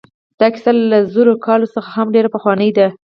دا کیسه له زرو کالو څخه هم ډېره پخوانۍ ده.